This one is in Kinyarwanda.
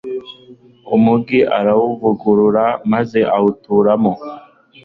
umugi arawuvugurura, maze awuturamo